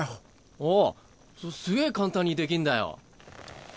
ああそれすげぇ簡単にできんだよ。